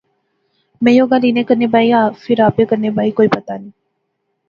میں یو گل انیں کنے بائی یا فیر آپے کنے بائی، پتہ نی